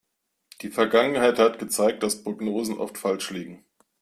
Die Vergangenheit hat gezeigt, dass Prognosen oft falsch liegen.